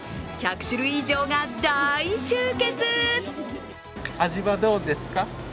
１００種類以上が大集結。